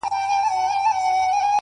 ته راته ووایه چي څنگه به جنجال نه راځي ـ